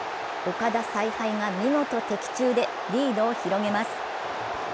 岡田采配が見事的中でリードを広げます。